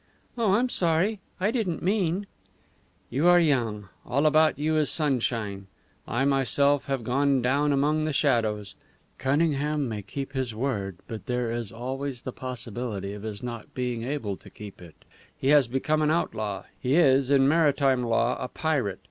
"Oh, I'm sorry! I didn't mean " "You are young; all about you is sunshine; I myself have gone down among the shadows. Cunningham may keep his word; but there is always the possibility of his not being able to keep it. He has become an outlaw; he is in maritime law a pirate.